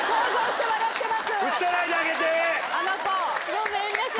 ごめんなさい。